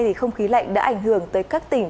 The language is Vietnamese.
thì không khí lạnh đã ảnh hưởng tới các tỉnh